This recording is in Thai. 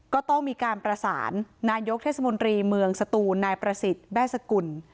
ก็ต้องมีการประสานนายกเทศมนตรีเมืองสตูนนายประสิทธิ์แบ้สกุล